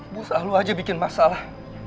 bu selalu aja bikin masalah